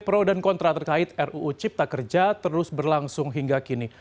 pro dan kontra terkait ruu cipta kerja terus berlangsung hingga kini